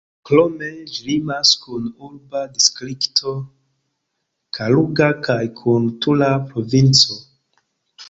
Krome, ĝi limas kun urba distrikto Kaluga kaj kun Tula provinco.